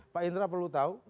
pak indra perlu tahu